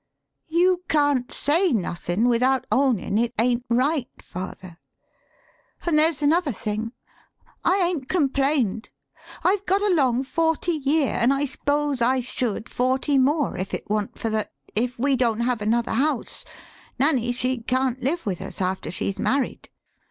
"You can't say nothin' without ownin' it ain't right, father. An' there's another thing I 'ain't complained; I've got along forty year, an' I s'pose I should forty more, if it wa'n't for that if we don't have another house, Nan ny she can't live with us after she's married.